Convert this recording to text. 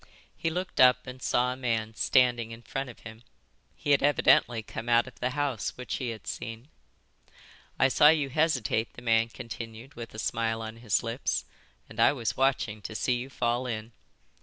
He looked up and saw a man standing in front of him. He had evidently come out of the house which he had seen. "I saw you hesitate," the man continued, with a smile on his lips, "and I was watching to see you fall in."